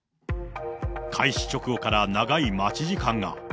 開始直後から長い待ち時間が。